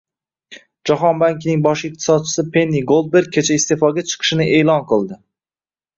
Jahon bankining bosh iqtisodchisi Penni Goldberg kecha iste'foga chiqishini e'lon qildi